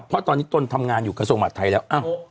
เพราะตอนนี้ตนทำงานอยู่กระทรวงมหาดไทยแล้ว